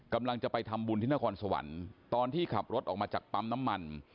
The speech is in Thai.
กำลังจะไปทำบุญที่นครสวรรค์ตอนที่ขับรถออกมาจากปั๊มน้ำมัน